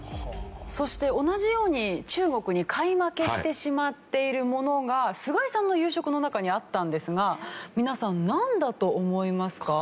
そして同じように中国に買い負けしてしまっているものが菅井さんの夕食の中にあったんですが皆さんなんだと思いますか？